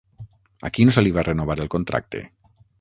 A qui no se li va renovar el contracte?